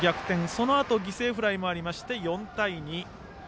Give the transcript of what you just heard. そのあと犠牲フライもあって４対２。